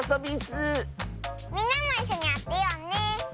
みんなもいっしょにあてようねえ。